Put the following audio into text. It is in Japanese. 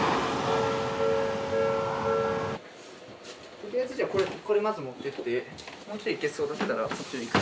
とりあえずじゃあこれまず持ってってもうちょいいけそうだったら。